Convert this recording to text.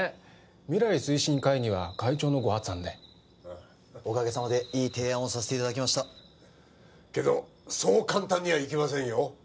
未来推進会議は会長のご発案でおかげさまでいい提案をさせていただきましたけどそう簡単にはいきませんよ